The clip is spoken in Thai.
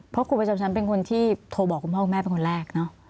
เพราะครูประจำชั้นเป็นคนที่โทรบอกคุณพ่อคุณแม่เป็นคนแรกเนอะ